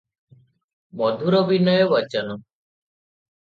ମଧୁର ବିନୟ ବଚନ ।